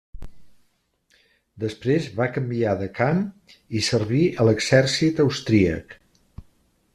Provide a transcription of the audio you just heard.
Després va canviar de camp i servir a l'exèrcit austríac.